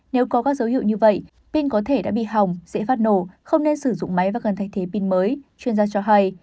nếu có các dấu hiệu như vậy pin có thể đã bị hỏng dễ phát nổ không nên sử dụng máy và cần thay thế pin mới chuyên gia cho hay